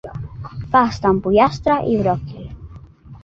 Pasta amb pollastre i bròquil.